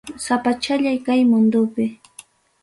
Sapachallay kay mundupi.